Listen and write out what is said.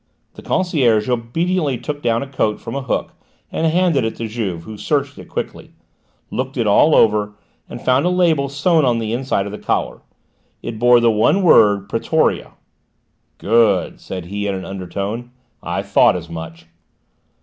The concierge obediently took down a coat from a hook and handed it to Juve who searched it quickly, looked it all over and then found a label sewn on the inside of the collar: it bore the one word Pretoria. "Good!" said he, in an undertone; "I thought as much."